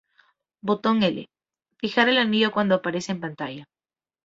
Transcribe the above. Botón L: Fijar el anillo cuando aparece en pantalla.